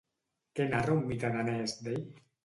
Què narra un mite danès d'ell?